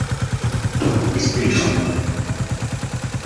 Explícome.